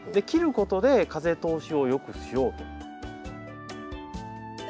切ることで風通しを良くしようと。